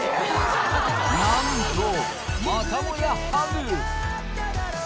なんとまたもやハグ。